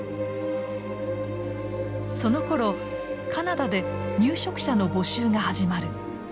そのころカナダで入植者の募集が始まる。